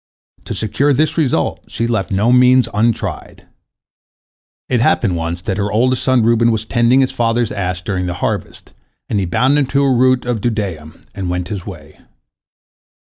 To secure this result, she left no means untried. It happened once that her oldest son Reuben was tending his father's ass during the harvest, and he bound him to a root of dudaim, and went his way.